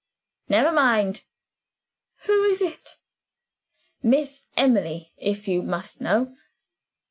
"Never mind." "Who is it?" "Miss Emily, if you must know."